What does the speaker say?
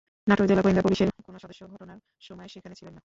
নাটোর জেলা গোয়েন্দা পুলিশের কোনো সদস্য ঘটনার সময় সেখানে ছিলেন না।